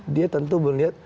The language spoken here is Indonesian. dia tentu melihat